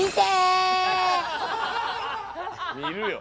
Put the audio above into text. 見るよ。